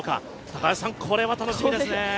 高橋さん、これは楽しみですね。